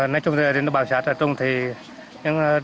nói chung ở xã trà trung